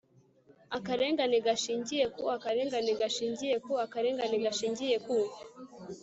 Akarengane gashingiye ku Akarengane gashingiye ku Akarengane gashingiye ku